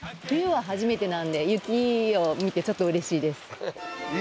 冬は初めてなんで雪を見てちょっとうれしいです。